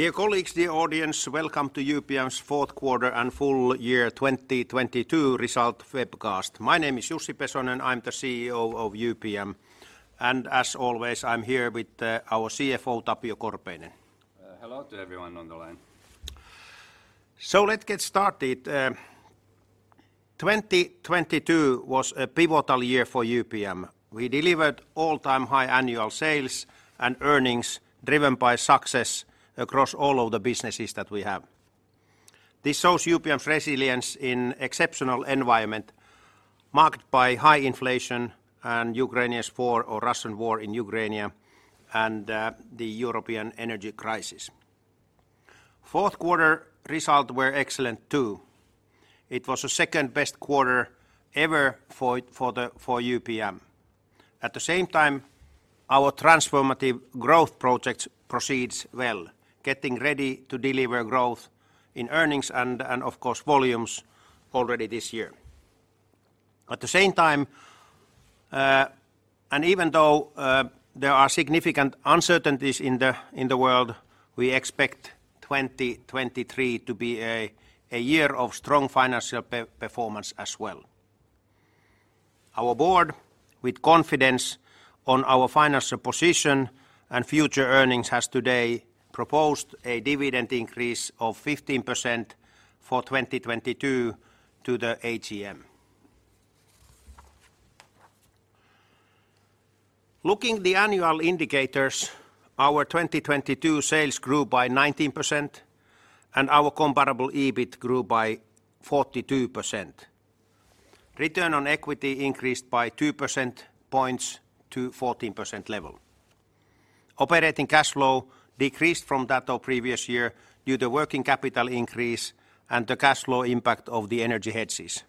Dear colleagues, dear audience, welcome to UPM's fourth quarter and full year 2022 result webcast. My name is Tapio Pesonen, I'm the CEO of UPM, and as always, I'm here with our CFO, Tapio Korpeinen. Hello to everyone on the line. Let's get started. 2022 was a pivotal year for UPM. We delivered all-time high annual sales and earnings driven by success across all of the businesses that we have. This shows UPM's resilience in exceptional environment marked by high inflation and Ukraine's war or Russian war in Ukraine and the European energy crisis. Fourth quarter results were excellent too. It was the second-best quarter ever for UPM. At the same time, our transformative growth projects proceeds well, getting ready to deliver growth in earnings and of course, volumes already this year. At the same time, and even though there are significant uncertainties in the world, we expect 2023 to be a year of strong financial performance as well. Our Board, with confidence on our financial position and future earnings, has today proposed a dividend increase of 15% for 2022 to the AGM. Looking the annual indicators, our 2022 sales grew by 19%, and our comparable EBIT grew by 42%. Return on equity increased by 2 percentage points to 14% level. Operating cash flow decreased from that of previous year due to working capital increase and the cash flow impact of the energy hedges.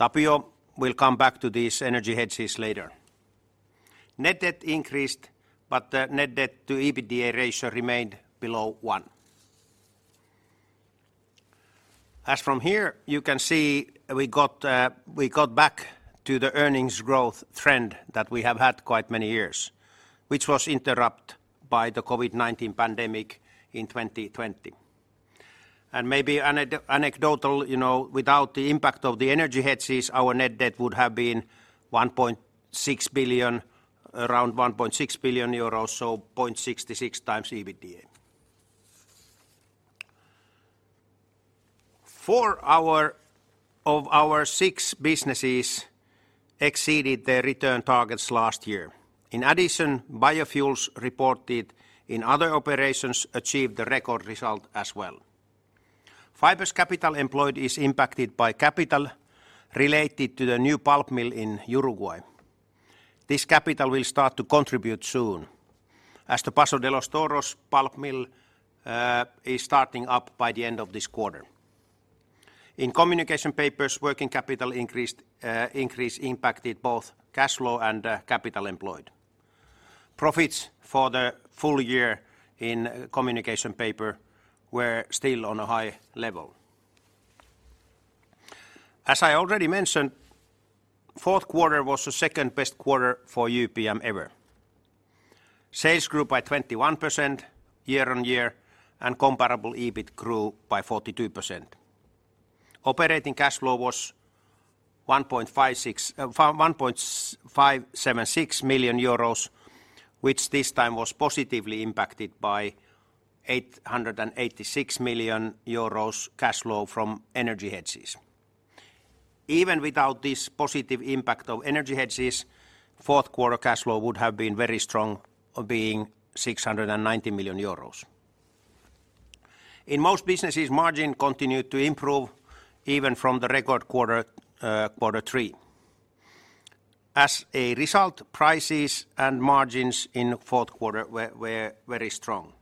Tapio will come back to these energy hedges later. Net debt increased, but the net debt to EBITDA ratio remained below one. As from here, you can see we got back to the earnings growth trend that we have had quite many years, which was interrupt by the COVID-19 pandemic in 2020. Maybe anecdotal, you know, without the impact of the energy hedges, our net debt would have been 1.6 billion, around 1.6 billion euros, so 0.66 times EBITDA. Four of our six businesses exceeded their return targets last year. In addition, Biofuels reported in other operations achieved a record result as well. Fibres' capital employed is impacted by capital related to the new pulp mill in Uruguay. This capital will start to contribute soon as the Paso de los Toros pulp mill is starting up by the end of this quarter. In Communication Papers, working capital increased, increase impacted both cash flow and capital employed. Profits for the full year in Communication Papers were still on a high level. As I already mentioned, fourth quarter was the second-best quarter for UPM ever. Sales grew by 21% year-on-year. Comparable EBIT grew by 42%. Operating cash flow was 1.576 million euros, which this time was positively impacted by 886 million euros cash flow from energy hedges. Even without this positive impact of energy hedges, fourth quarter cash flow would have been very strong, being 690 million euros. In most businesses, margin continued to improve even from the record quarter three. As a result, prices and margins in fourth quarter were very strong.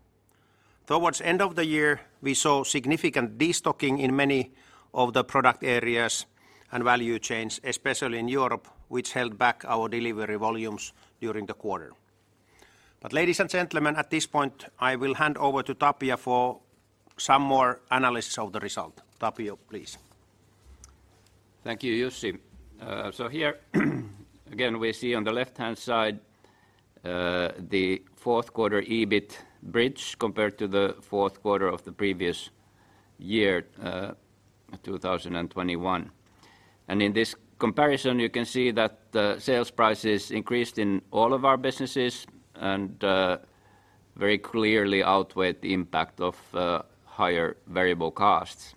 Towards end of the year, we saw significant destocking in many of the product areas and value chains, especially in Europe, which held back our delivery volumes during the quarter. Ladies and gentlemen, at this point, I will hand over to Tapio for some more analysis of the result. Tapio, please. Thank you, Jussi. Here, again, we see on the left-hand side, the fourth quarter EBIT bridge compared to the fourth quarter of the previous year, 2021. In this comparison, you can see that the sales prices increased in all of our businesses and very clearly outweighed the impact of higher variable costs.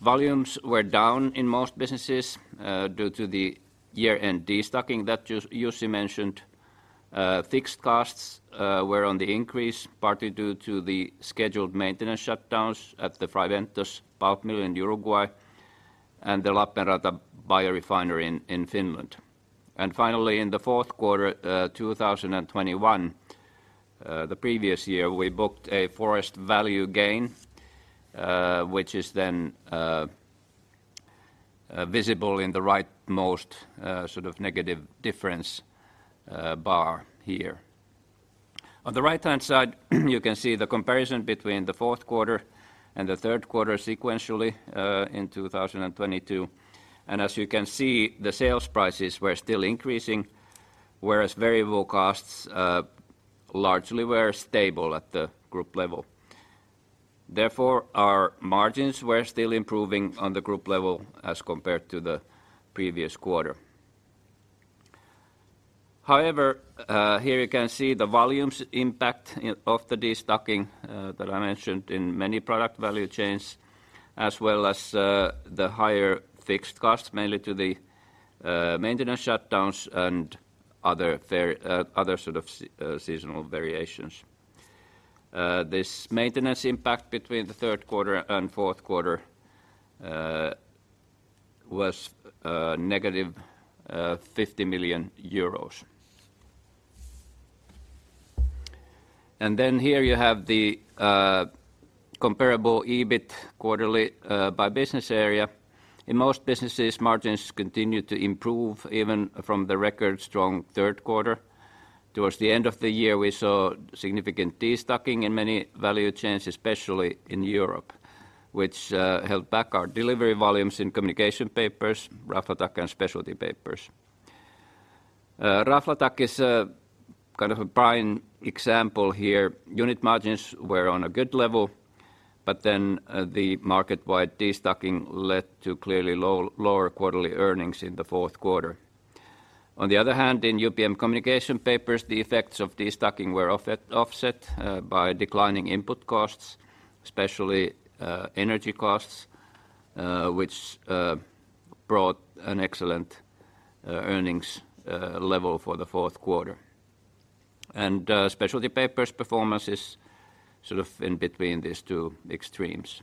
Volumes were down in most businesses due to the year-end destocking that Jussi mentioned. Fixed costs were on the increase, partly due to the scheduled maintenance shutdowns at the Fray Bentos pulp mill in Uruguay and the Lappeenranta biorefinery in Finland. Finally, in the fourth quarter, 2021, the previous year, we booked a forest value gain, which is then visible in the right-most sort of negative difference bar here. On the right-hand side, you can see the comparison between the fourth quarter and the third quarter sequentially, in 2022. As you can see, the sales prices were still increasing. Whereas variable costs, largely were stable at the group level. Our margins were still improving on the group level as compared to the previous quarter. However, here you can see the volumes impact of the destocking, that I mentioned in many product value chains, as well as, the higher fixed costs, mainly to the maintenance shutdowns and other fair, other sort of seasonal variations. This maintenance impact between the third quarter and fourth quarter, was negative EUR 50 million. Here you have the comparable EBIT quarterly, by business area. In most businesses, margins continued to improve even from the record strong third quarter. Towards the end of the year, we saw significant destocking in many value chains, especially in Europe, which held back our delivery volumes in UPM Communication Papers, UPM Raflatac, and UPM Specialty Papers. UPM Raflatac is a kind of a prime example here. Unit margins were on a good level, the market-wide destocking led to clearly lower quarterly earnings in the fourth quarter. On the other hand, in UPM Communication Papers, the effects of destocking were offset by declining input costs, especially energy costs, which brought an excellent earnings level for the fourth quarter. UPM Specialty Papers' performance is sort of in between these two extremes.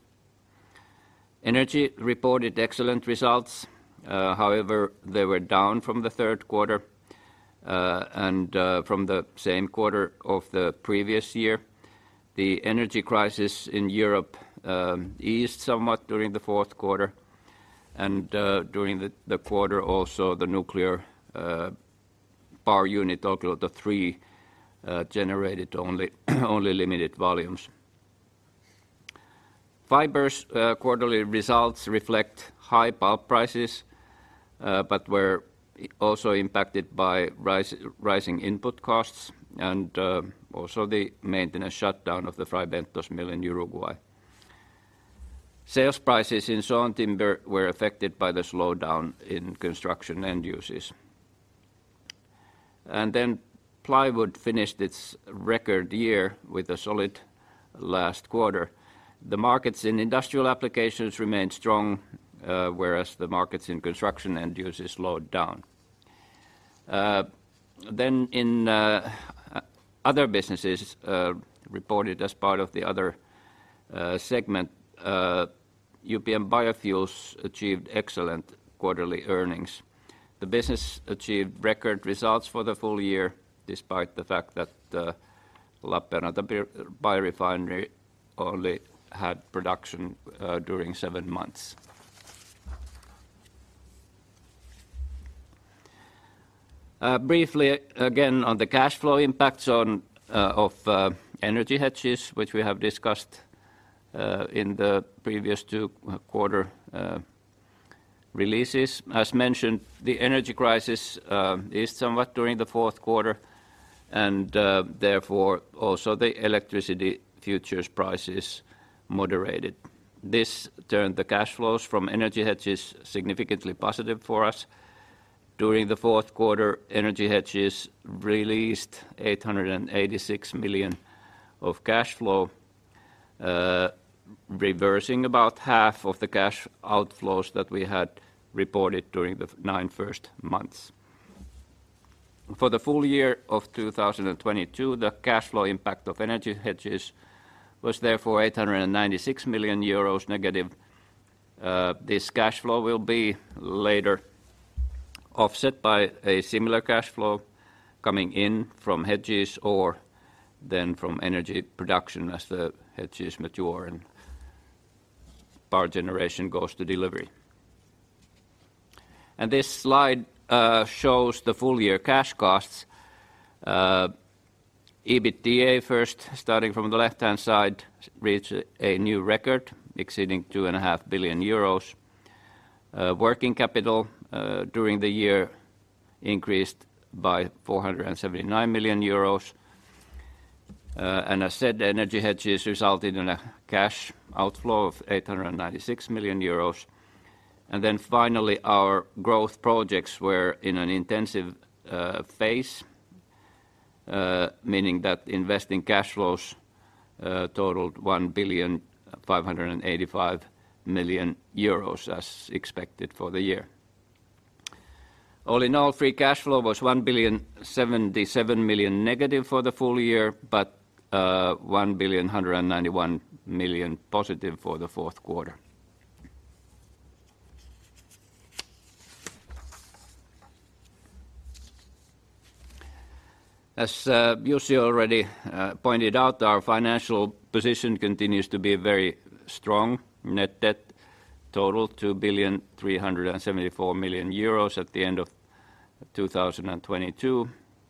Energy reported excellent results, however, they were down from the third quarter and from the same quarter of the previous year. The energy crisis in Europe eased somewhat during the fourth quarter, during the quarter also, the nuclear power unit, Olkiluoto Three, generated only limited volumes. Fibres quarterly results reflect high pulp prices, but were also impacted by rising input costs and also the maintenance shutdown of the Fray Bentos mill in Uruguay. Sales prices in Sawn Timber were affected by the slowdown in construction end uses. Plywood finished its record year with a solid last quarter. The markets in industrial applications remained strong, whereas the markets in construction end uses slowed down. In other businesses, reported as part of the other segment, UPM Biofuels achieved excellent quarterly earnings. The business achieved record results for the full year, despite the fact that Lappeenranta Biorefinery only had production during seven months. Briefly again on the cash flow impacts of energy hedges, which we have discussed in the previous two quarter releases. As mentioned, the energy crisis eased somewhat during the fourth quarter and therefore also the electricity futures prices moderated. This turned the cash flows from energy hedges significantly positive for us. During the fourth quarter, energy hedges released 886 million of cash flow, reversing about half of the cash outflows that we had reported during the nine first months. For the full year of 2022, the cash flow impact of energy hedges was therefore 896 million euros negative. This cash flow will be later offset by a similar cash flow coming in from hedges or then from energy production as the hedges mature and power generation goes to delivery. This slide shows the full-year cash costs. EBITDA first, starting from the left-hand side, reached a new record exceeding 2.5 billion euros. Working capital during the year increased by 479 million euros. As said, energy hedges resulted in a cash outflow of 896 million euros. Finally, our growth projects were in an intensive phase, meaning that investing cash flows totaled 1.585 billion, as expected for the year. All in all, free cash flow was 1.077 billion negative for the full year, but 1.191 billion positive for the fourth quarter. As Jussi already pointed out, our financial position continues to be very strong. Net debt totaled 2.374 billion at the end of 2022,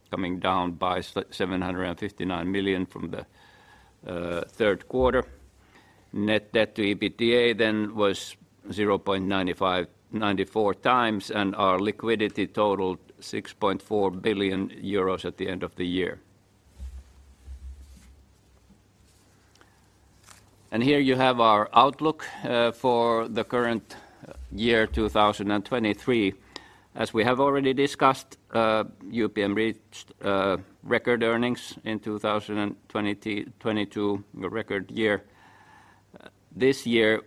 coming down by 759 million from the third quarter. Net debt to EBITDA then was 0.94 times, and our liquidity totaled 6.4 billion euros at the end of the year. Here you have our outlook for the current year 2023. As we have already discussed, UPM reached record earnings in 2022, a record year. This year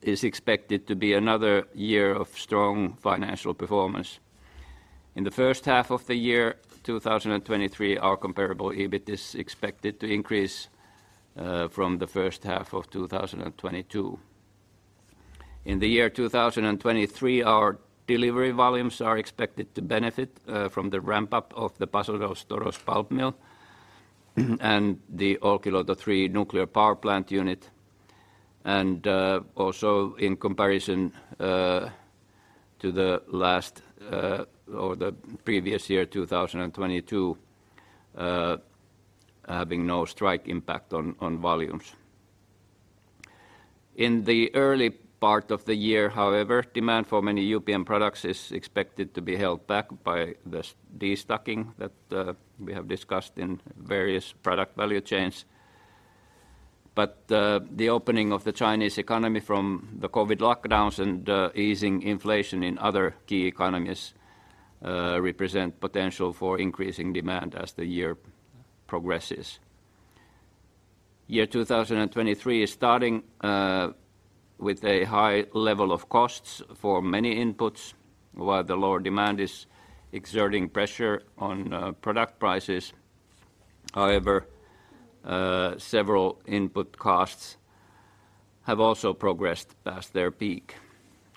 is expected to be another year of strong financial performance. In the first half of 2023, our comparable EBIT is expected to increase from the first half of 2022. In the year 2023, our delivery volumes are expected to benefit from the ramp-up of the Paso de los Toros pulp mill and the Olkiluoto 3 nuclear power plant unit, and also in comparison to the last or the previous year, 2022, having no strike impact on volumes. In the early part of the year, demand for many UPM products is expected to be held back by the destocking that we have discussed in various product value chains. The opening of the Chinese economy from the COVID lockdowns and easing inflation in other key economies represent potential for increasing demand as the year progresses. Year 2023 is starting with a high level of costs for many inputs, while the lower demand is exerting pressure on product prices. Several input costs have also progressed past their peak.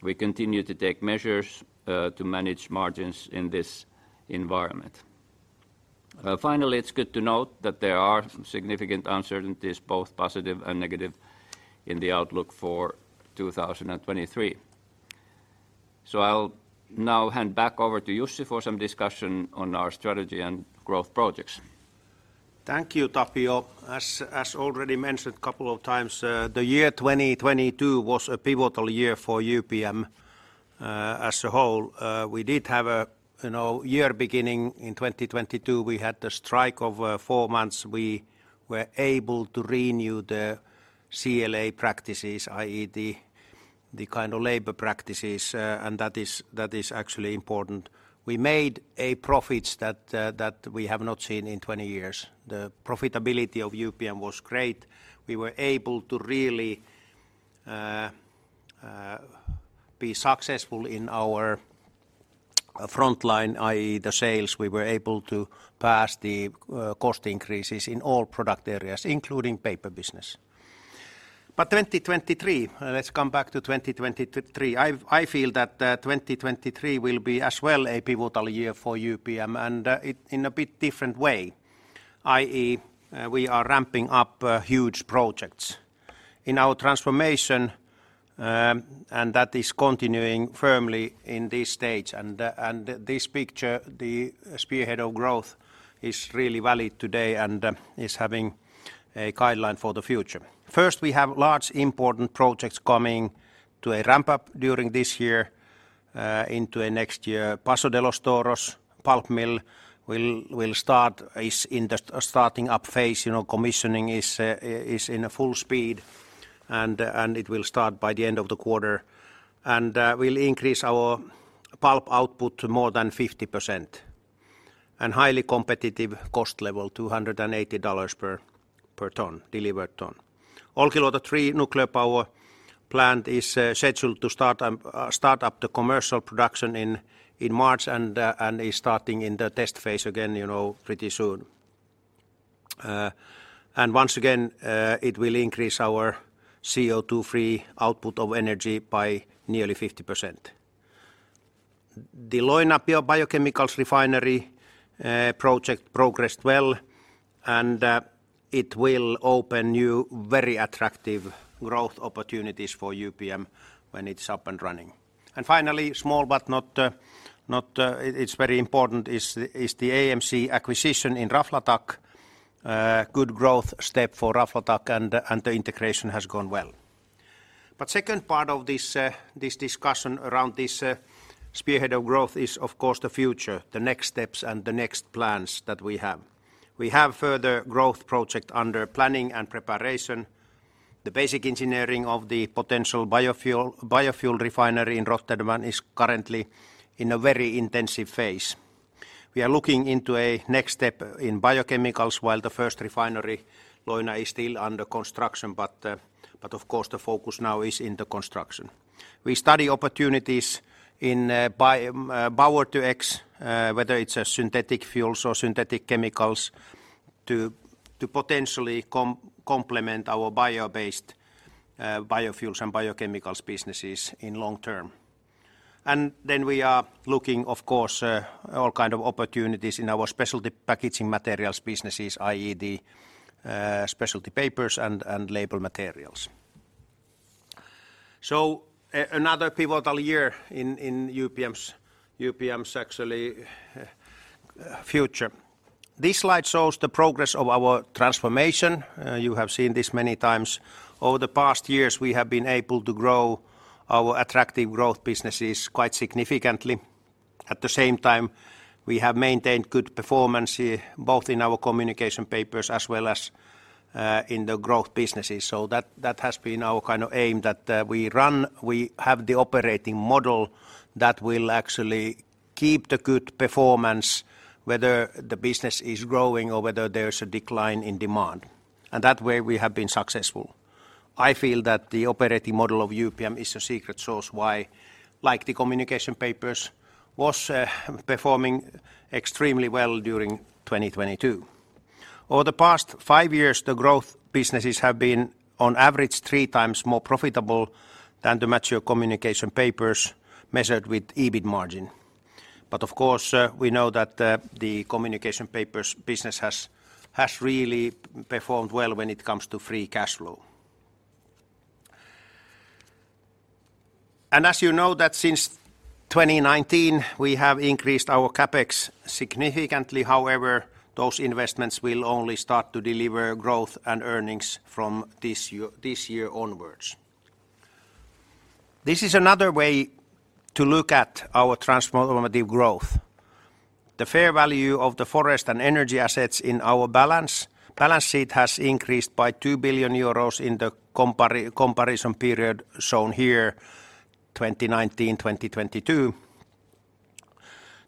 We continue to take measures to manage margins in this environment. It's good to note that there are significant uncertainties, both positive and negative, in the outlook for 2023. I'll now hand back over to Jussi for some discussion on our strategy and growth projects. Thank you, Tapio. As already mentioned couple of times, the year 2022 was a pivotal year for UPM as a whole. We did have a, you know, year beginning in 2022, we had the strike of four months. We were able to renew the CLA practices, i.e. the kind of labor practices, and that is actually important. We made profits that we have not seen in 20 years. The profitability of UPM was great. We were able to really be successful in our frontline, i.e. the sales. We were able to pass the cost increases in all product areas, including paper business. 2023, let's come back to 2023. I feel that 2023 will be as well a pivotal year for UPM, and in a bit different way, i.e., we are ramping up huge projects. In our transformation, and that is continuing firmly in this stage. This picture, the spearhead of growth, is really valid today and is having a guideline for the future. First, we have large important projects coming to a ramp-up during this year into a next year. Paso de los Toros pulp mill will start, is in the starting up phase. You know, commissioning is in a full speed, and it will start by the end of the quarter, and will increase our pulp output to more than 50% and highly competitive cost level, $280 per ton, delivered ton. Olkiluoto 3 nuclear power plant is scheduled to start up the commercial production in March and is starting in the test phase again, you know, pretty soon. Once again, it will increase our CO₂-free output of energy by nearly 50%. The Loimaa biochemical refinery project progressed well, and it will open new very attractive growth opportunities for UPM when it's up and running. Finally, small but not, it's very important is the AMC acquisition in Raflatac, good growth step for Raflatac and the integration has gone well. Second part of this discussion around this spearhead of growth is of course the future, the next steps and the next plans that we have. We have further growth project under planning and preparation. The basic engineering of the potential biofuel refinery in Rotterdam is currently in a very intensive phase. We are looking into a next step in biochemicals while the first refinery, Loimaa, is still under construction, of course, the focus now is in the construction. We study opportunities in bio Power-to-X whether it's synthetic fuels or synthetic chemicals to potentially complement our bio-based biofuels and biochemicals businesses in long term. We are looking, of course, all kind of opportunities in our specialty packaging materials businesses, i.e., the Specialty Papers and label materials. Another pivotal year in UPM's actually future. This slide shows the progress of our transformation. You have seen this many times. Over the past years, we have been able to grow our attractive growth businesses quite significantly. At the same time, we have maintained good performance here, both in our Communication Papers as well as in the growth businesses. That has been our kind of aim that we run... we have the operating model that will actually keep the good performance whether the business is growing or whether there's a decline in demand. That way, we have been successful. I feel that the operating model of UPM is a secret source why likely communication papers was performing extremely well during 2022. Over the past five years, the growth businesses have been, on average, 3 times more profitable than the mature communication papers measured with EBIT margin. Of course, we know that the communication papers business has really performed well when it comes to free cash flow. As you know that since 2019, we have increased our CapEx significantly. However, those investments will only start to deliver growth and earnings from this year, this year onwards. This is another way to look at our transformative growth. The fair value of the forest and energy assets in our balance sheet has increased by 2 billion euros in the comparison period shown here, 2019-2022,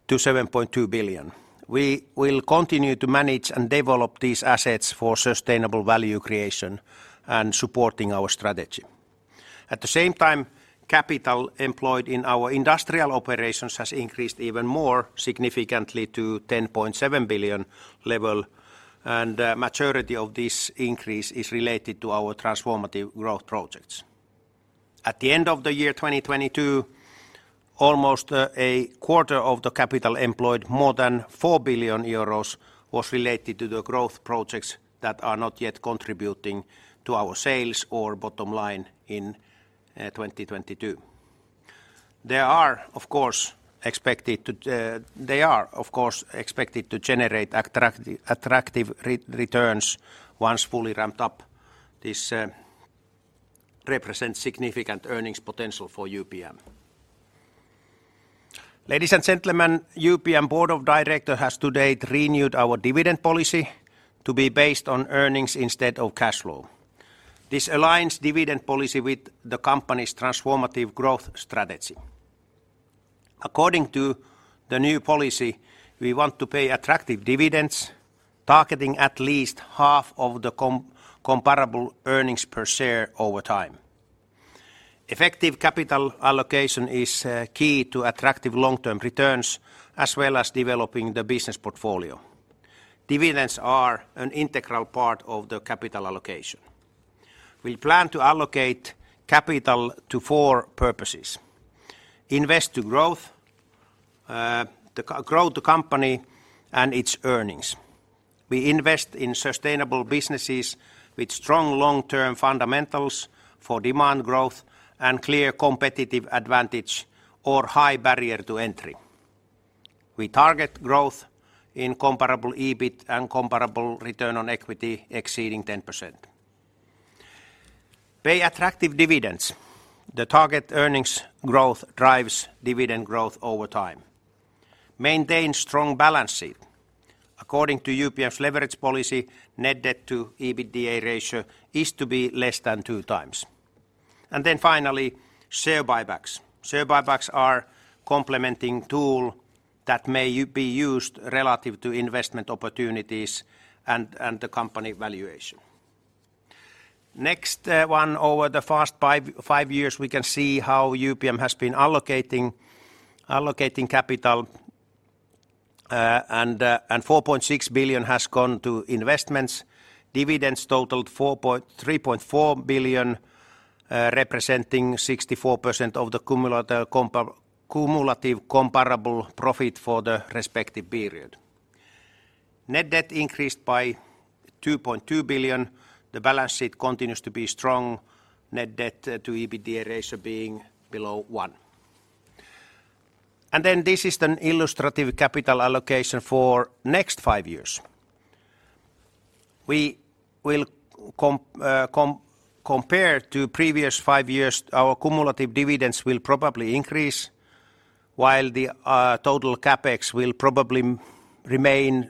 to 7.2 billion. We will continue to manage and develop these assets for sustainable value creation and supporting our strategy. At the same time, capital employed in our industrial operations has increased even more significantly to 10.7 billion level. The maturity of this increase is related to our transformative growth projects. At the end of the year 2022, almost a quarter of the capital employed, more than 4 billion euros, was related to the growth projects that are not yet contributing to our sales or bottom line in 2022. They are, of course, expected to generate attractive returns once fully ramped up. This represents significant earnings potential for UPM. Ladies and gentlemen, UPM Board of Director has today renewed our dividend policy to be based on earnings instead of cash flow. This aligns dividend policy with the company's transformative growth strategy. According to the new policy, we want to pay attractive dividends, targeting at least half of the comparable earnings per share over time. Effective capital allocation is key to attractive long-term returns, as well as developing the business portfolio. Dividends are an integral part of the capital allocation. We plan to allocate capital to four purposes: Invest to growth, to grow the company and its earnings. We invest in sustainable businesses with strong long-term fundamentals for demand growth and clear competitive advantage or high barrier to entry. We target growth in comparable EBIT and comparable return on equity exceeding 10%. Pay attractive dividends. The target earnings growth drives dividend growth over time. Maintain strong balance sheet. According to UPM's leverage policy, net debt to EBITDA ratio is to be less than two times. Finally, share buybacks. Share buybacks are complementing tool that may be used relative to investment opportunities and the company valuation. Next, one over the first five years, we can see how UPM has been allocating capital, and 4.6 billion has gone to investments. Dividends totaled 3.4 billion, representing 64% of the cumulative comparable profit for the respective period. Net debt increased by 2.2 billion. The balance sheet continues to be strong. Net debt to EBITDA ratio being below one. This is an illustrative capital allocation for next five years. We will compare to previous five years, our cumulative dividends will probably increase, while the total CapEx will probably remain,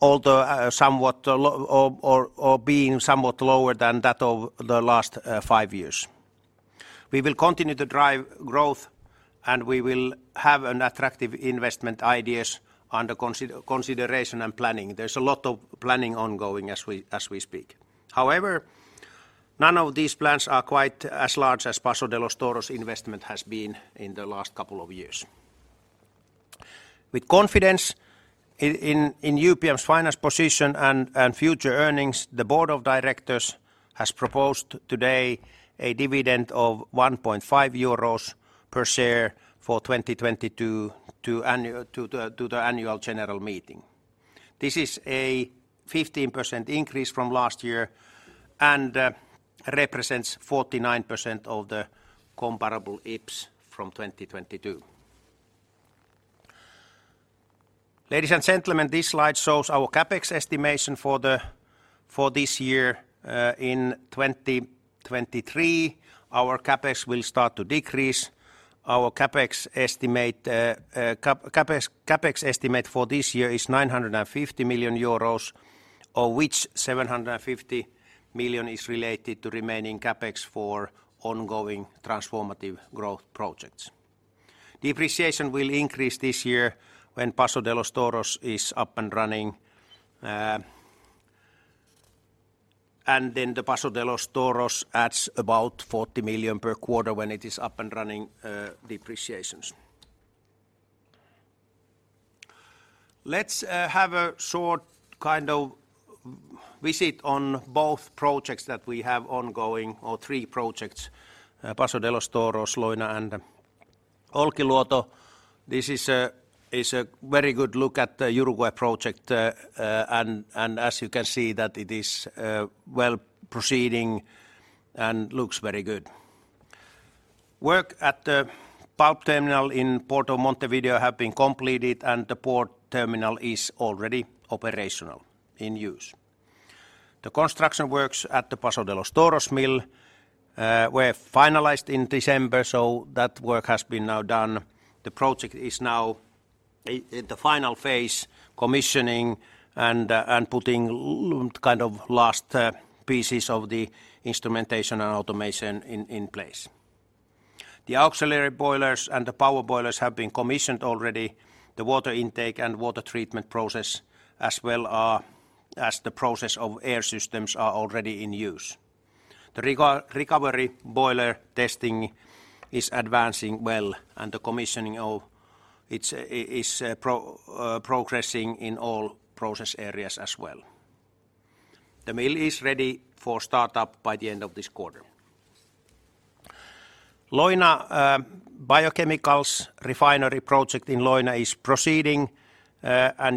although somewhat lower or being somewhat lower than that of the last five years. We will continue to drive growth, and we will have an attractive investment ideas under consideration and planning. There's a lot of planning ongoing as we, as we speak. However, none of these plans are quite as large as Paso de los Toros investment has been in the last couple of years. With confidence in UPM's finance position and future earnings, the board of directors has proposed today a dividend of 1.5 euros per share for 2022 to the annual general meeting. This is a 15% increase from last year and represents 49% of the comparable EPS from 2022. Ladies and gentlemen, this slide shows our CapEx estimation for this year. In 2023, our CapEx will start to decrease. Our CapEx estimate for this year is 950 million euros, of which 750 million is related to remaining CapEx for ongoing transformative growth projects. Depreciation will increase this year when Paso de los Toros is up and running. The Paso de los Toros adds about 40 million per quarter when it is up and running, depreciation. Let's have a short kind of visit on both projects that we have ongoing or three projects, Paso de los Toros, Loimaa, and Olkiluoto. This is a very good look at the Uruguay project. As you can see that it is well proceeding and looks very good. Work at the pulp terminal in Port of Montevideo have been completed, the port terminal is already operational, in use. The construction works at the Paso de los Toros mill were finalized in December, that work has been now done. The project is now in the final phase, commissioning and putting kind of last pieces of the instrumentation and automation in place. The auxiliary boilers and the power boilers have been commissioned already. The water intake and water treatment process as well, as the process of air systems are already in use. The recovery boiler testing is advancing well, and the commissioning of it is progressing in all process areas as well. The mill is ready for startup by the end of this quarter. Loimaa biochemicals refinery project in Loimaa is proceeding.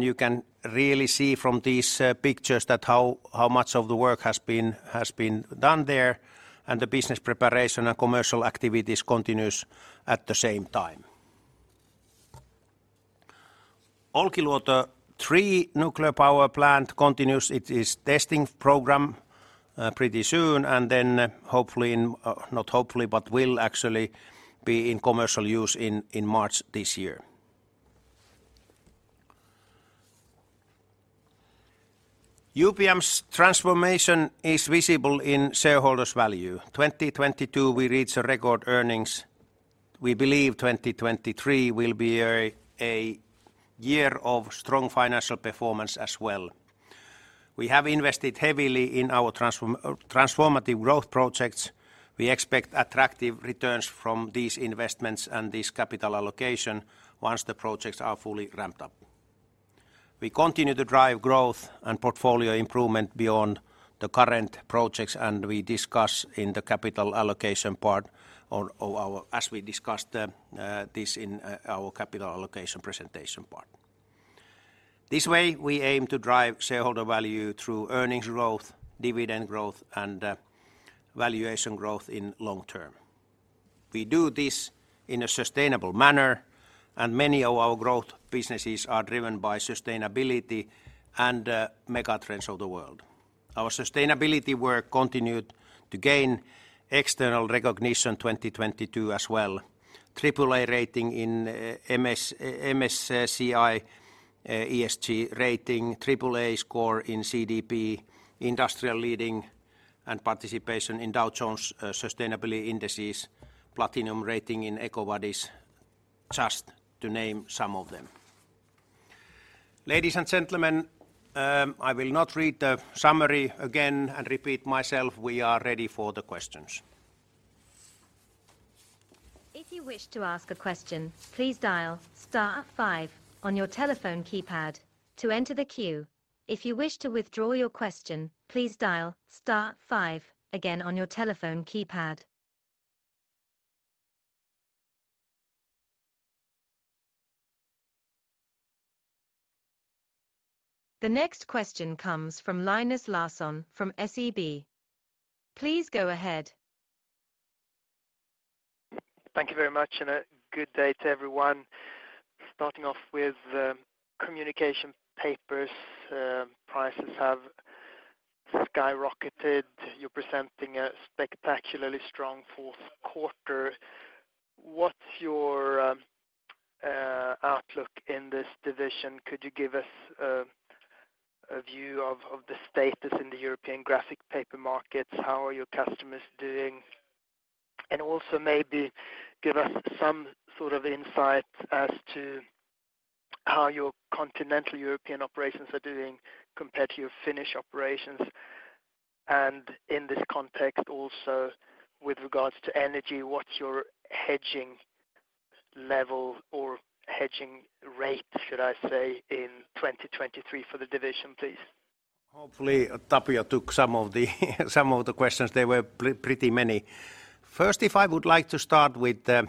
You can really see from these pictures that how much of the work has been done there, and the business preparation and commercial activities continues at the same time. Olkiluoto 3 nuclear power plant continues its testing program pretty soon and then not hopefully, but will actually be in commercial use in March this year. UPM's transformation is visible in shareholders' value. 2022, we reached record earnings. We believe 2023 will be a year of strong financial performance as well. We have invested heavily in our transformative growth projects. We expect attractive returns from these investments and this capital allocation once the projects are fully ramped up. We continue to drive growth and portfolio improvement beyond the current projects, and we discuss this in our capital allocation presentation part. This way, we aim to drive shareholder value through earnings growth, dividend growth, and valuation growth in long term. We do this in a sustainable manner, and many of our growth businesses are driven by sustainability and mega trends of the world. Our sustainability work continued to gain external recognition 2022 as well. Triple A rating in MSCI ESG Rating, triple A score in CDP industrial leading and participation in Dow Jones Sustainability Indices, platinum rating in EcoVadis, just to name some of them. Ladies and gentlemen, I will not read the summary again and repeat myself. We are ready for the questions. If you wish to ask a question, please dial star 5 on your telephone keypad to enter the queue. If you wish to withdraw your question, please dial star 5 again on your telephone keypad. The next question comes from Linus Larsson from SEB. Please go ahead. Thank you very much and a good day to everyone. Starting off with Communication Papers, prices have skyrocketed. You're presenting a spectacularly strong fourth quarter. What's your outlook in this division? Could you give us a view of the status in the European graphic paper markets? How are your customers doing? Also maybe give us some sort of insight as to how your continental European operations are doing compared to your Finnish operations. In this context also with regards to energy, what's your hedging level or hedging rate, should I say, in 2023 for the division, please? Hopefully, Tapio took some of the questions. They were pretty many. First, if I would like to start with the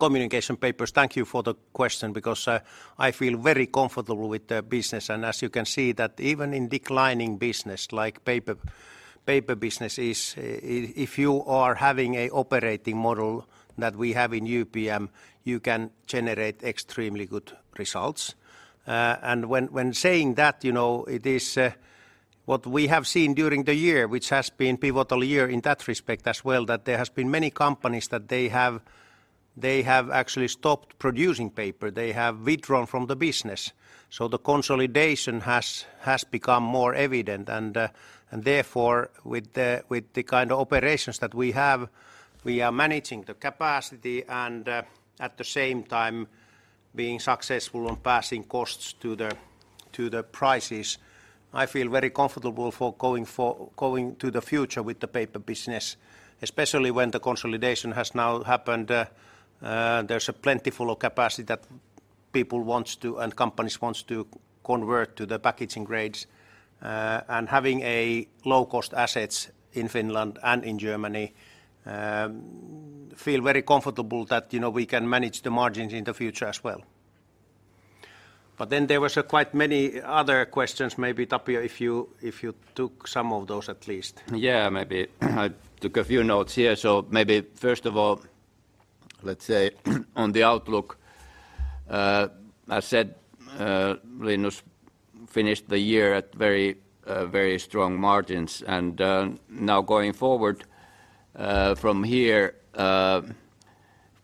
communication papers, thank you for the question because I feel very comfortable with the business. As you can see that even in declining business like paper business is, if you are having a operating model that we have in UPM, you can generate extremely good results. When saying that, you know, it is, what we have seen during the year, which has been pivotal year in that respect as well, that there has been many companies that they have actually stopped producing paper. They have withdrawn from the business. The consolidation has become more evident. Therefore, with the kind of operations that we have, we are managing the capacity and at the same time being successful on passing costs to the prices. I feel very comfortable for going to the future with the paper business, especially when the consolidation has now happened. There's a plentiful of capacity that people wants to and companies wants to convert to the packaging grades. Having a low-cost assets in Finland and in Germany, feel very comfortable that, you know, we can manage the margins in the future as well. There was quite many other questions, maybe Tapio if you took some of those at least. Yeah. Maybe I took a few notes here. Maybe first of all, let's say, on the outlook, I said, Linus finished the year at very, very strong margins. Now going forward from here, of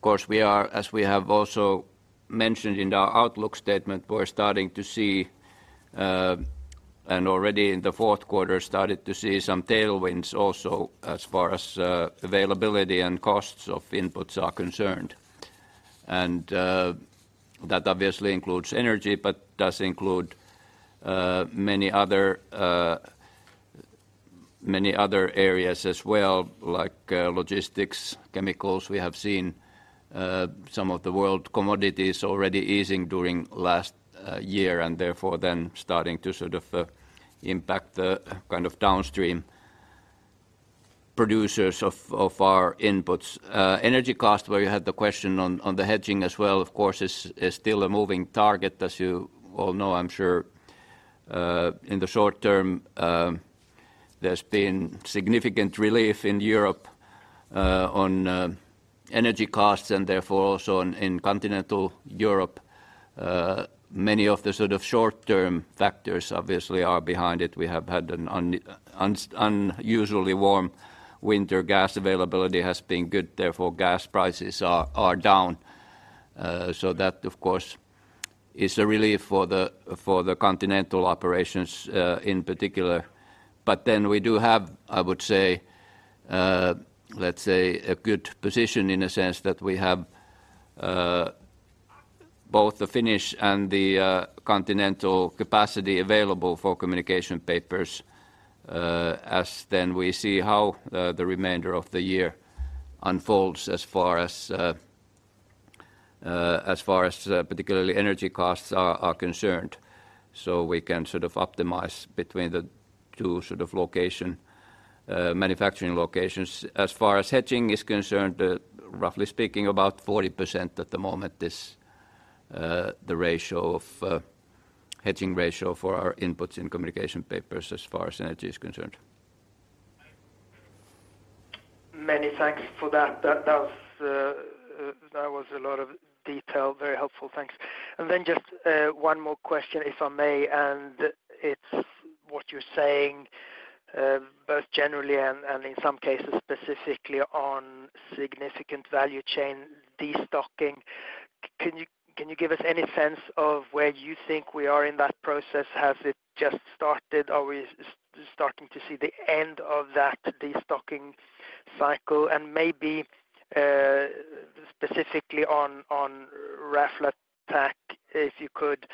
course, as we have also mentioned in our outlook statement, we're starting to see, and already in the fourth quarter started to see some tailwinds also as far as availability and costs of inputs are concerned. That obviously includes energy but does include many other, many other areas as well, like logistics, chemicals. We have seen some of the world commodities already easing during last year and therefore then starting to sort of impact the kind of downstream producers of our inputs. Energy cost, where you had the question on the hedging as well, of course, is still a moving target, as you all know I'm sure. In the short term, there's been significant relief in Europe, on energy costs and therefore also in continental Europe. Many of the sort of short-term factors obviously are behind it. We have had an unusually warm winter. Gas availability has been good, therefore gas prices are down. That, of course, is a relief for the continental operations in particular. We do have, I would say, let's say, a good position in a sense that we have, both the Finnish and the continental capacity available for communication papers, as we see how the remainder of the year unfolds as far as particularly energy costs are concerned. We can sort of optimize between the two sort of location, manufacturing locations. As far as hedging is concerned, roughly speaking, about 40% at the moment is the hedging ratio for our inputs in communication papers as far as energy is concerned. Many thanks for that. That was a lot of detail. Very helpful. Thanks. One more question, if I may, and it's what you're saying, both generally and in some cases specifically on significant value chain destocking. Can you give us any sense of where you think we are in that process? Has it just started? Are we starting to see the end of that destocking cycle? Maybe specifically on Raflatac, if you could,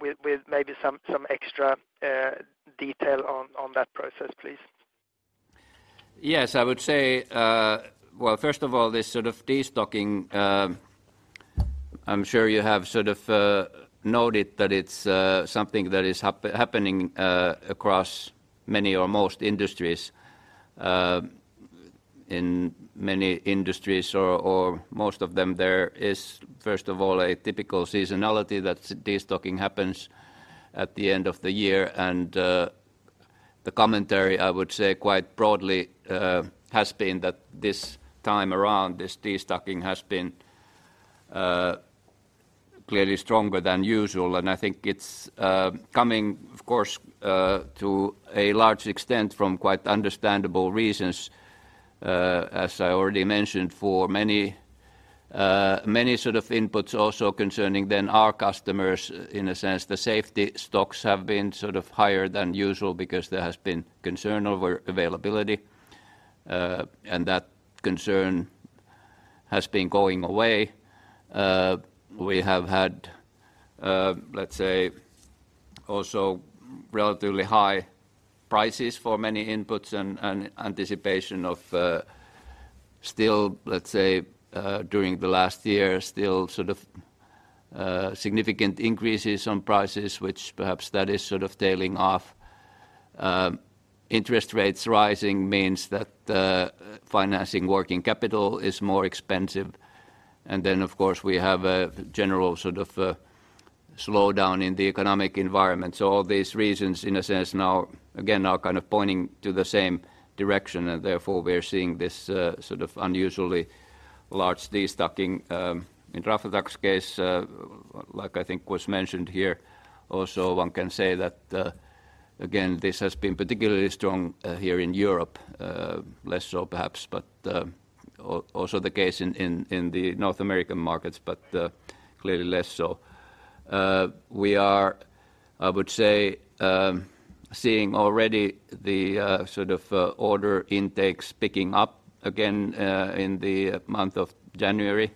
with maybe some extra detail on that process, please. Yes, I would say, first of all, this sort of destocking, I'm sure you have sort of noted that it's something that is happening across many or most industries. In many industries or most of them, there is, first of all, a typical seasonality that destocking happens at the end of the year. The commentary, I would say quite broadly, has been that this time around, this destocking has been clearly stronger than usual. I think it's coming, of course, to a large extent from quite understandable reasons, as I already mentioned, for many sort of inputs also concerning then our customers. In a sense, the safety stocks have been sort of higher than usual because there has been concern over availability, and that concern has been going away. We have had, also relatively high prices for many inputs and anticipation of still during the last year, still significant increases on prices, which perhaps that is tailing off. Interest rates rising means that financing working capital is more expensive. Then, of course, we have a general slowdown in the economic environment. So all these reasons, in a sense, now again, now kind of pointing to the same direction, and therefore, we are seeing this unusually large destocking. In Raflatac case, like I think was mentioned here, also one can say that again, this has been particularly strong here in Europe, less so perhaps, but also the case in the North American markets, but clearly less so. We are, I would say, seeing already the sort of order intakes picking up again in the month of January.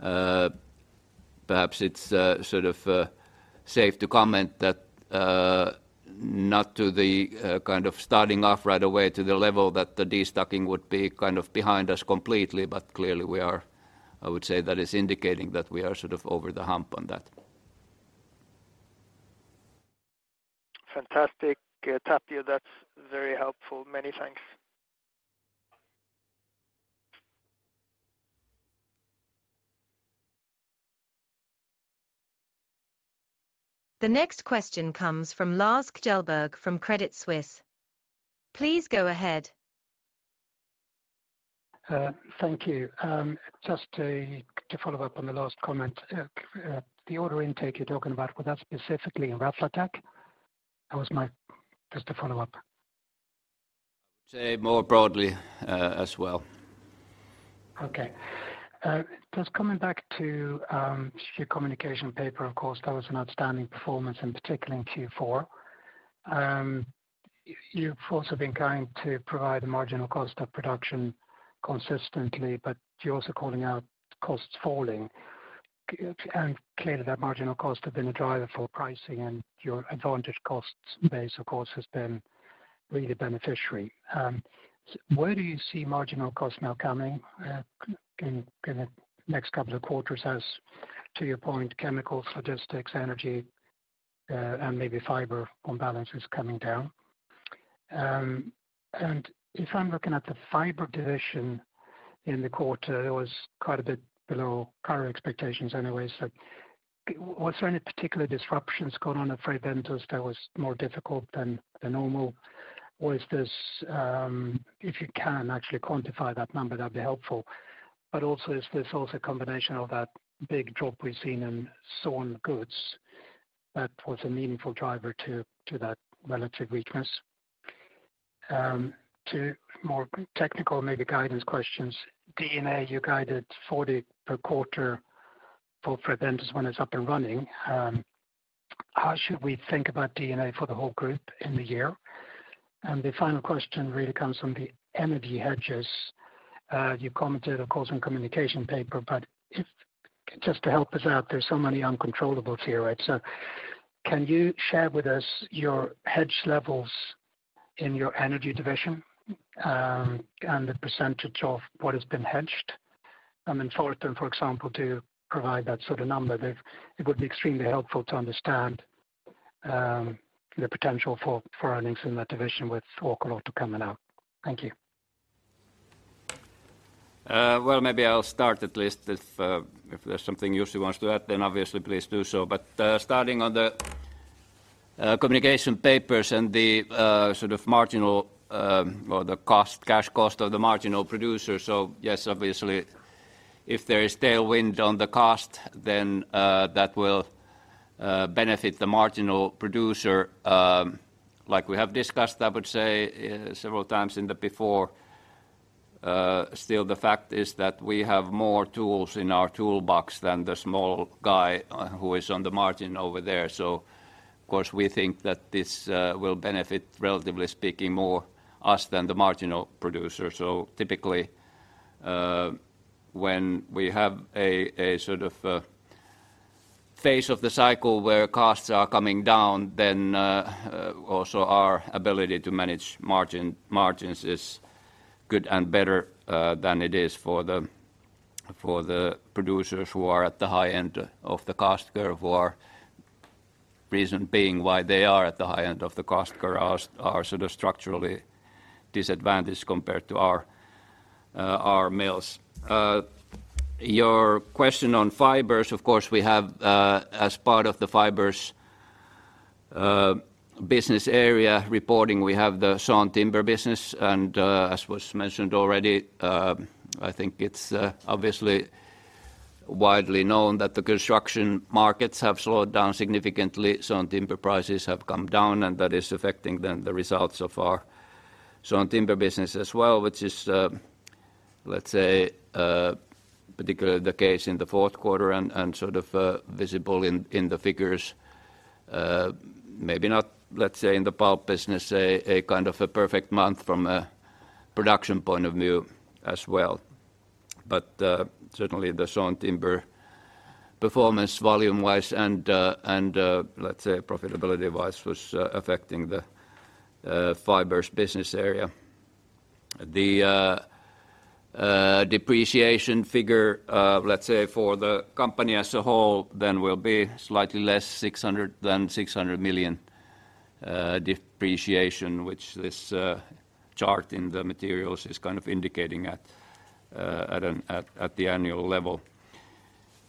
Perhaps it's sort of safe to comment that not to the kind of starting off right away to the level that the destocking would be kind of behind us completely. Clearly, we are. I would say that is indicating that we are sort of over the hump on that. Fantastic. Tapio, that's very helpful. Many thanks. The next question comes from Lars Kjellberg from Credit Suisse. Please go ahead. Thank you. Just to follow up on the last comment. The order intake you're talking about, was that specifically in Raflatac? That was my... Just a follow-up. I would say more broadly, as well. Okay. Just coming back to your communication paper, of course, that was an outstanding performance, and particularly in Q4. You've also been going to provide a marginal cost of production consistently, but you're also calling out costs falling. Clearly, that marginal cost have been a driver for pricing, and your advantage costs base, of course, has been really beneficiary. Where do you see marginal costs now coming in the next couple of quarters as, to your point, chemical, logistics, energy, and maybe fiber on balance is coming down? If I'm looking at the fiber division in the quarter, it was quite a bit below current expectations anyway. Was there any particular disruptions going on at Fray Bentos that was more difficult than the normal? Was this? If you can actually quantify that number, that'd be helpful. Is this also a combination of that big drop we've seen in sawn goods that was a meaningful driver to that relative weakness? To more technical, maybe guidance questions. D&A, you guided 40 per quarter for Fray Bentos when it's up and running. How should we think about D&A for the whole group in the year? The final question really comes from the energy hedges. You commented, of course, on Communication Papers. Just to help us out, there's so many uncontrollables here, right? Can you share with us your hedge levels in your energy division, and the % of what has been hedged? I mean, for example, to provide that sort of number, it would be extremely helpful to understand the potential for earnings in that division with Olkiluoto coming out. Thank you. Well, maybe I'll start at least if there's something Jussi wants to add, then obviously, please do so. Starting on the Communication Papers and the sort of marginal, or the cost, cash cost of the marginal producer. Yes, obviously, if there is tailwind on the cost, that will benefit the marginal producer, like we have discussed, I would say several times in the before. The fact is that we have more tools in our toolbox than the small guy, who is on the margin over there. Of course, we think that this will benefit, relatively speaking, more us than the marginal producer. Typically, when we have a sort of, phase of the cycle where costs are coming down, then, also our ability to manage margin, margins is good and better, than it is for the, for the producers who are at the high end of the cost curve, or reason being why they are at the high end of the cost curve are sort of structurally disadvantaged compared to our mills. Your question on Fibres, of course, we have, as part of the Fibres, business area reporting, we have the Sawn Timber business. As was mentioned already, I think it's obviously widely known that the construction markets have slowed down significantly, Sawn Timber prices have come down, and that is affecting the results of our Sawn Timber business as well, which is, let's say, particularly the case in the fourth quarter and sort of visible in the figures. Maybe not, let's say, in the pulp business, a kind of a perfect month from a production point of view as well. Certainly the Sawn Timber performance volume-wise and, let's say profitability-wise, was affecting the UPM Fibres business area. The depreciation figure, let's say for the company as a whole then will be slightly less 600... than 600 million depreciation, which this chart in the materials is kind of indicating at the annual level.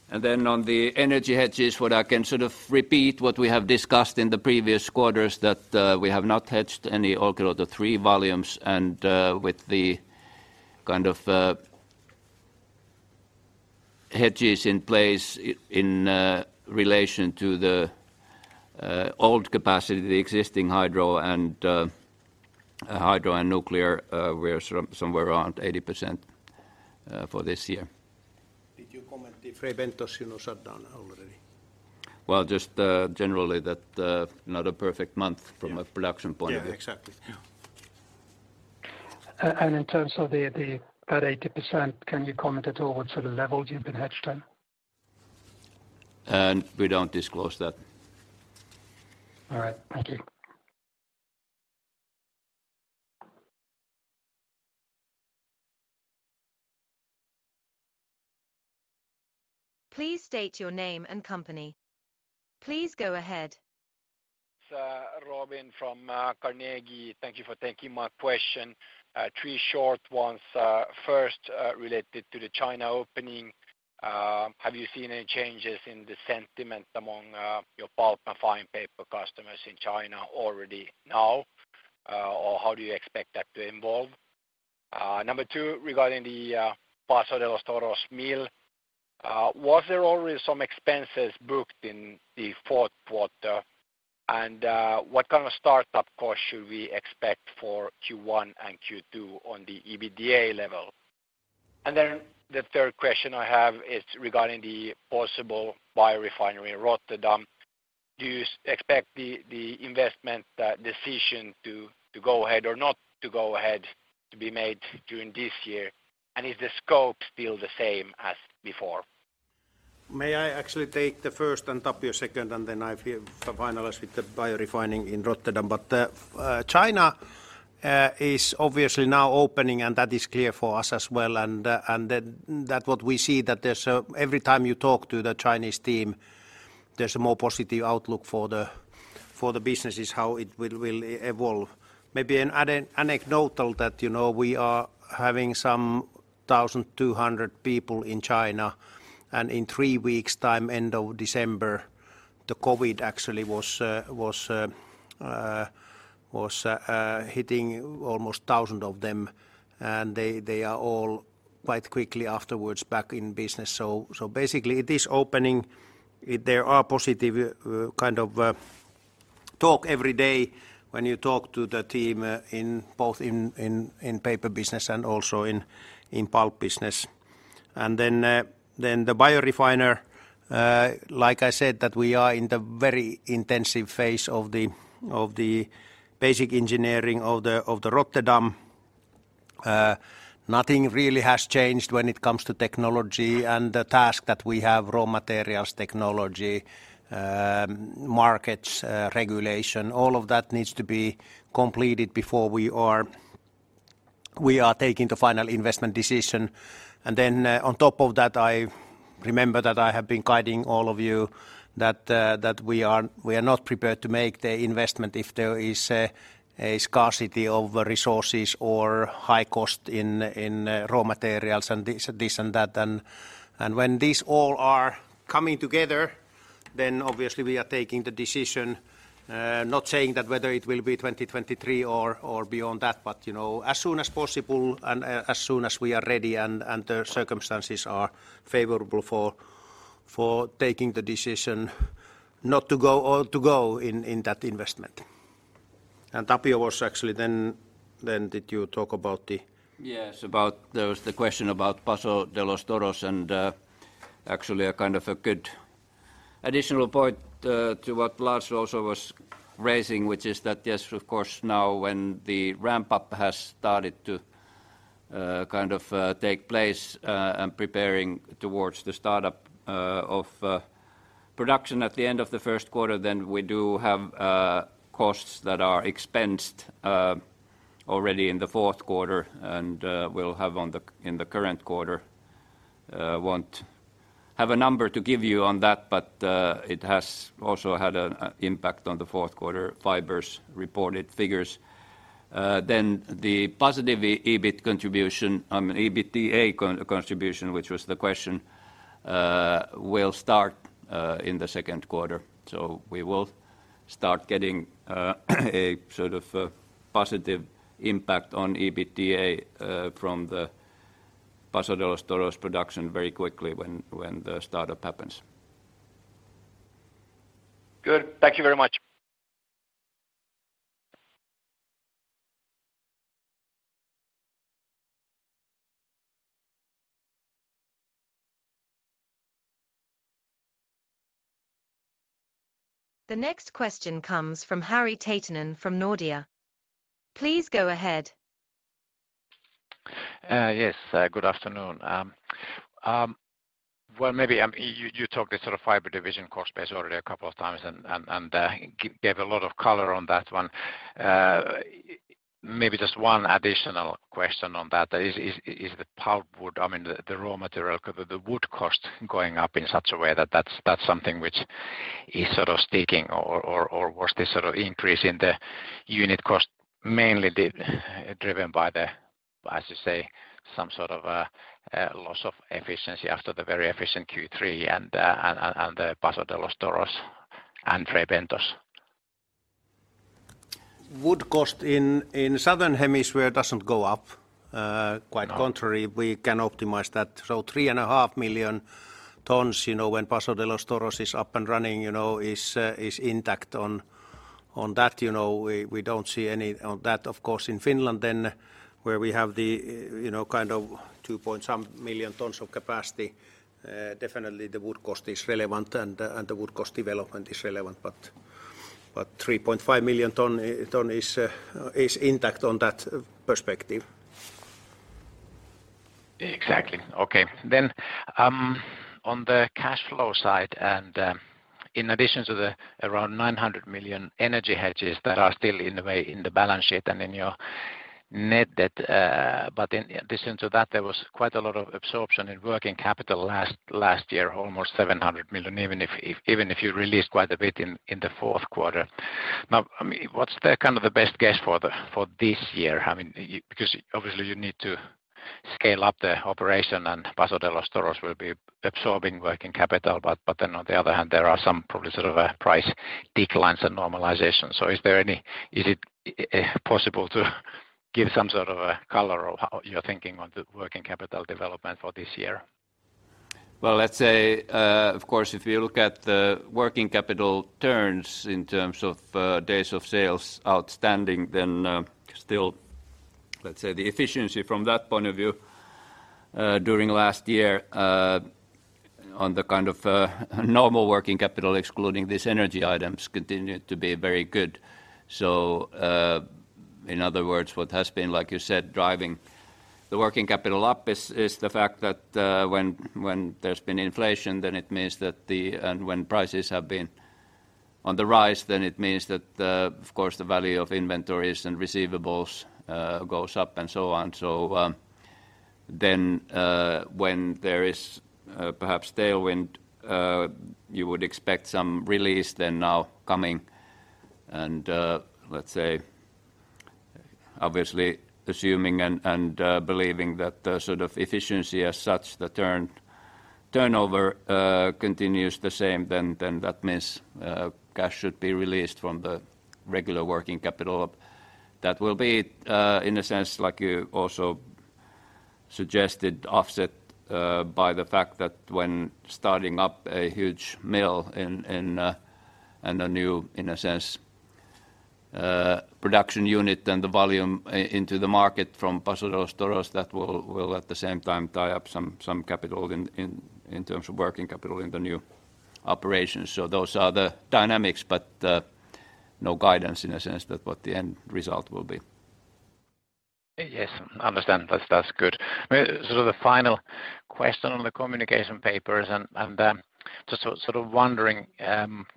Then on the energy hedges, what I can sort of repeat what we have discussed in the previous quarters, that we have not hedged any Olkiluoto 3 volumes, and with the kind of hedges in place in relation to the old capacity, the existing hydro and hydro and nuclear, we're sort of somewhere around 80% for this year. Did you comment the Fray Bentos, you know, shut down already? Well, just, generally that, not a perfect month. Yeah from a production point of view. Yeah, exactly. Yeah. In terms of the at 80%, can you comment at all what sort of levels you've been hedged then? We don't disclose that. All right. Thank you. Please state your name and company. Please go ahead. It's Robin from Carnegie. Thank you for taking my question. 3 short ones. First, related to the China opening, have you seen any changes in the sentiment among your pulp and fine paper customers in China already now? How do you expect that to evolve? Number 2, regarding the Paso de los Toros mill, was there already some expenses booked in the fourth quarter? What kind of startup costs should we expect for Q1 and Q2 on the EBITDA level? The third question I have is regarding the possible biorefinery in Rotterdam. Do you expect the investment decision to go ahead or not to go ahead to be made during this year? Is the scope still the same as before? May I actually take the first and Tapio second, and then I finalize with the biorefining in Rotterdam? China is obviously now opening, and that is clear for us as well. That what we see that there's every time you talk to the Chinese team, there's a more positive outlook for the businesses, how it will evolve. Maybe an anecdotal that, you know, we are having some 1,200 people in China, and in three weeks time, end of December, the COVID actually was hitting almost 1,000 of them. They are all quite quickly afterwards back in business. Basically it is opening. There are positive, kind of, talk every day when you talk to the team, in both in paper business and also in pulp business. Then the biorefiner, like I said that we are in the very intensive phase of the basic engineering of the Rotterdam. Nothing really has changed when it comes to technology and the task that we have, raw materials, technology, markets, regulation, all of that needs to be completed before we are taking the final investment decision. On top of that, I remember that I have been guiding all of you that we are not prepared to make the investment if there is a scarcity of resources or high cost in raw materials and this and that. When these all are coming together, then obviously we are taking the decision, not saying that whether it will be 2023 or beyond that, but you know, as soon as possible and as soon as we are ready and the circumstances are favorable for taking the decision not to go or to go in that investment. Tapio was actually then did you talk about About... There was the question about Paso de los Toros and, actually a kind of a good additional point, to what Lars also was raising, which is that, yes, of course now when the ramp-up has started to, kind of, take place, and preparing towards the startup, of production at the end of the first quarter, we do have costs that are expensed already in the fourth quarter and will have in the current quarter. Won't have a number to give you on that, but it has also had an impact on the fourth quarter Fibres reported figures. The positive EBIT contribution, I mean, EBITDA contribution, which was the question, will start in the second quarter. We will start getting a sort of a positive impact on EBITDA from the Paso de los Toros production very quickly when the startup happens. Good. Thank you very much. The next question comes from Harri Tittonen from Nordea. Please go ahead. Yes, good afternoon. Well, maybe, you talked this sort of fiber division cost base already a couple of times and gave a lot of color on that one. Maybe just one additional question on that. Is the pulp wood... I mean, the raw material, the wood cost going up in such a way that that's something which is sort of sticking? Or was this sort of increase in the unit cost mainly driven by the, as you say, some sort of a loss of efficiency after the very efficient Q3 and the Paso de los Toros and Fray Bentos? Wood cost in Southern Hemisphere doesn't go up. No. Quite contrary, we can optimize that. 3.5 million tons, you know, when Paso de los Toros is up and running, you know, is intact on that. You know, we don't see any on that. Of course, in Finland then where we have the, you know, kind of 2 point some million tons of capacity, definitely the wood cost is relevant and the wood cost development is relevant. 3.5 million tons is intact on that perspective. Exactly. Okay. On the cash flow side, in addition to the around 900 million energy hedges that are still in the way in the balance sheet and in your net debt, in addition to that, there was quite a lot of absorption in working capital last year, almost 700 million, even if you released quite a bit in the fourth quarter. I mean, what's the kind of the best guess for this year? I mean, because obviously you need to scale up the operation and Paso de los Toros will be absorbing working capital. But then on the other hand, there are some probably sort of a price declines and normalizations. Is there any. Is it possible to give some sort of a color of how you're thinking on the working capital development for this year? Well, let's say, of course, if you look at the working capital turns in terms of days sales outstanding, then still, let's say, the efficiency from that point of view during last year on the kind of normal working capital excluding these energy items continued to be very good. In other words, what has been, like you said, driving the working capital up is the fact that, when there's been inflation. When prices have been on the rise, then it means that, of course, the value of inventories and receivables goes up and so on. When there is perhaps tailwind, you would expect some release then now coming. Let's say, obviously assuming and believing that the sort of efficiency as such, the turnover continues the same, then that means cash should be released from the regular working capital. That will be in a sense, like you also suggested, offset by the fact that when starting up a huge mill in a new, in a sense, production unit, then the volume into the market from Paso de los Toros, that will at the same time tie up some capital in terms of working capital in the new operations. Those are the dynamics, no guidance in a sense that what the end result will be. Yes, understand. That's good. Sort of the final question on the communication papers and, just sort of wondering,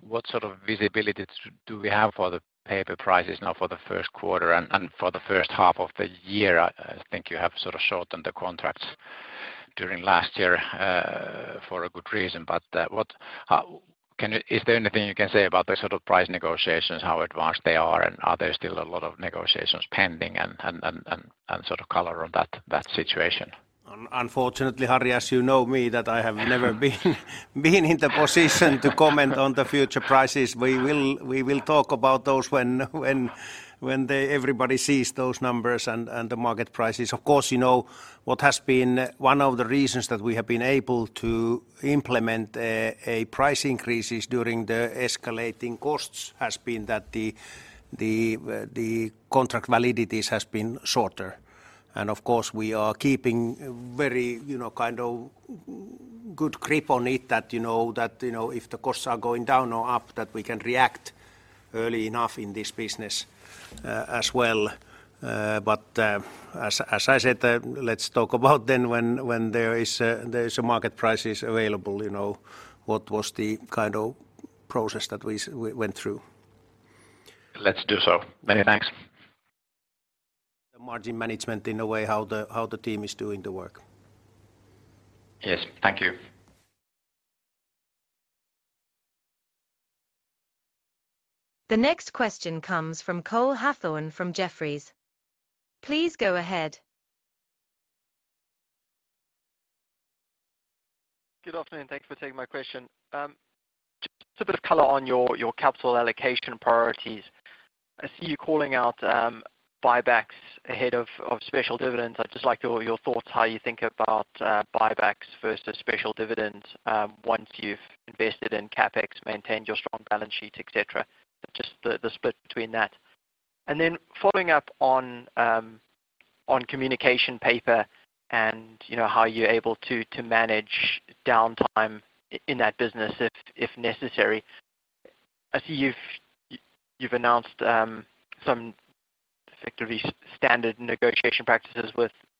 what sort of visibility do we have for the paper prices now for the first quarter and for the first half of the year? I think you have sort of shortened the contracts during last year, for a good reason. Is there anything you can say about the sort of price negotiations, how advanced they are, and are there still a lot of negotiations pending and sort of color on that situation? Unfortunately, Harri, as you know me, that I have never been in the position to comment on the future prices. We will talk about those when everybody sees those numbers and the market prices. Of course, you know, what has been one of the reasons that we have been able to implement a price increases during the escalating costs has been that the contract validities has been shorter. Of course, we are keeping very, you know, kind of good grip on it that, you know, that, you know, if the costs are going down or up, that we can react early enough in this business as well. As I said, let's talk about then when there is a market prices available, you know, what was the kind of process that we went through. Let's do so. Many thanks. The margin management in a way how the team is doing the work. Yes. Thank you. The next question comes from Cole Hathorn from Jefferies. Please go ahead. Good afternoon. Thank you for taking my question. Just a bit of color on your capital allocation priorities. I see you calling out buybacks ahead of special dividends. I'd just like your thoughts how you think about buybacks versus special dividends once you've invested in CapEx, maintained your strong balance sheet, et cetera. Just the split between that. Following up on Communication Papers and, you know, how you're able to manage downtime in that business if necessary. I see you've announced some effectively standard negotiation practices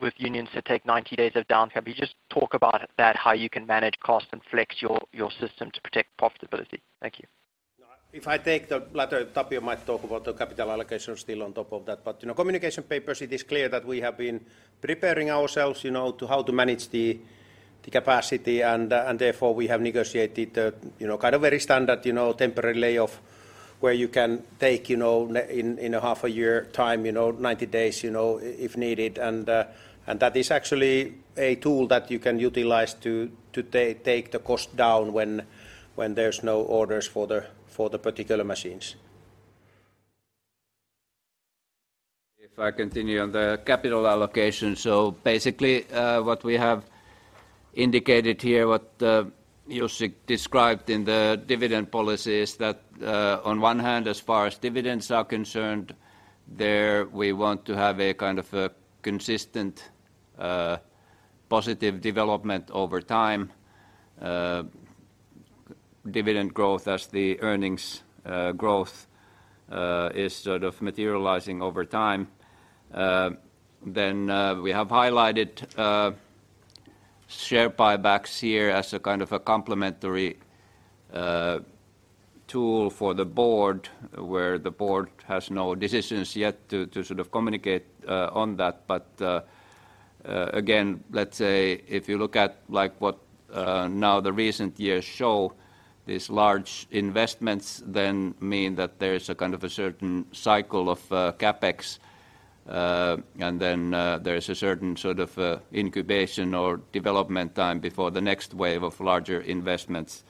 with unions to take 90 days of downtime. Can you just talk about that, how you can manage costs and flex your system to protect profitability? Thank you. No. If I take the latter, Tapio might talk about the capital allocation still on top of that. You know, communication papers, it is clear that we have been preparing ourselves, you know, to how to manage the capacity and, therefore we have negotiated, you know, kind of very standard, you know, temporary layoff where you can take, you know, in a half a year time, you know, 90 days, if needed. That is actually a tool that you can utilize to take the cost down when there's no orders for the particular machines. If I continue on the capital allocation. Basically, what we have indicated here, what Jussi described in the dividend policy is that on one hand, as far as dividends are concerned, there we want to have a kind of a consistent positive development over time, dividend growth as the earnings growth is sort of materializing over time. We have highlighted share buybacks here as a kind of a complementary tool for the board, where the board has no decisions yet to sort of communicate on that. Again, let's say if you look at like what now the recent years show, these large investments then mean that there's a kind of a certain cycle of CapEx and then there's a certain sort of incubation or development time before the next wave of larger investments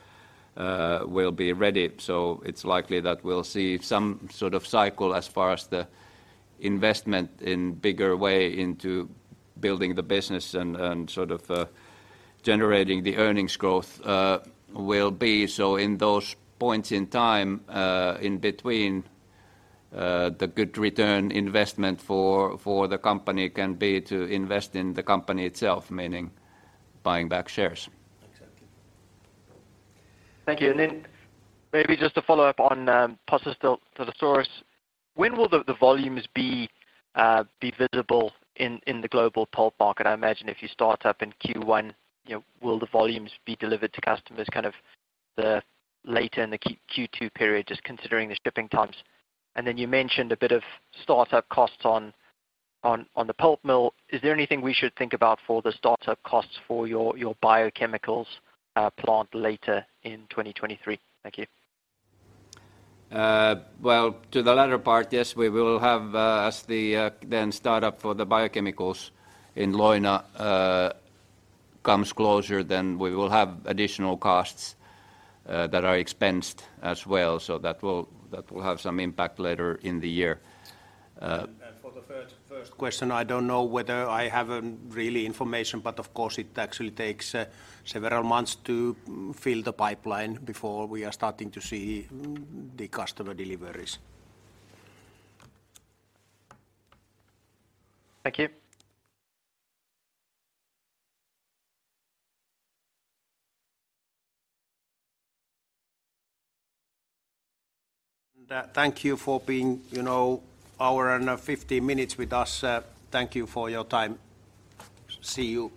will be ready. It's likely that we'll see some sort of cycle as far as the investment in bigger way into building the business and sort of generating the earnings growth will be. In those points in time in between the good return investment for the company can be to invest in the company itself, meaning buying back shares. Exactly. Thank you. Then maybe just to follow up on Paso de los Toros, when will the volumes be visible in the global pulp market? I imagine if you start up in Q1, you know, will the volumes be delivered to customers kind of the later in the Q2 period, just considering the shipping times? Then you mentioned a bit of startup costs on the pulp mill. Is there anything we should think about for the startup costs for your biochemicals plant later in 2023? Thank you. Well, to the latter part, yes, we will have, as the then startup for the biochemicals in Leuna comes closer, then we will have additional costs that are expensed as well. That will have some impact later in the year. First question, I don't know whether I have really information, but of course it actually takes several months to fill the pipeline before we are starting to see the customer deliveries. Thank you. Thank you for being, you know, hour and 50 minutes with us. Thank you for your time. See you.